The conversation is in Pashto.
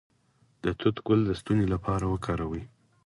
د توت ګل د ستوني لپاره وکاروئ